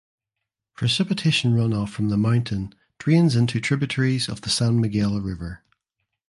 Precipitation runoff from the mountain drains into tributaries of the San Miguel River.